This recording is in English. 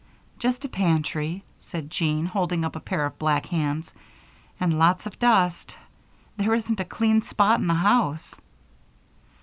"Just a pantry," said Jean, holding up a pair of black hands, "and lots of dust. There isn't a clean spot in the house."